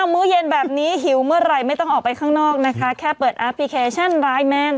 มื้อเย็นแบบนี้หิวเมื่อไหร่ไม่ต้องออกไปข้างนอกนะคะแค่เปิดแอปพลิเคชันไลน์แมน